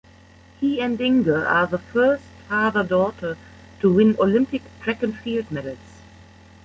He and Inger are the first father-daughter to win Olympic track and field medals.